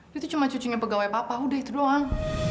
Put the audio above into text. dia itu cuma cucunya pegawai papa udah itu doang